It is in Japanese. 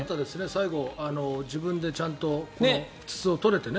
最後自分でちゃんと筒を取れて。